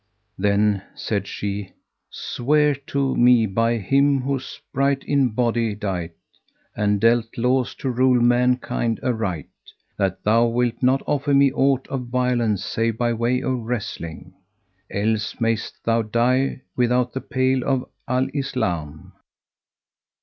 Then said she, "Swear to me by Him who sprite in body dight and dealt laws to rule mankind aright, that thou wilt not offer me aught of violence save by way of wrestling; else mayst thou die without the pale of Al Islam."